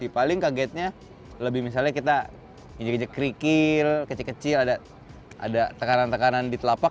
paling kagetnya lebih misalnya kita ngejek ngejek kerikil kecil kecil ada tekanan tekanan di telapak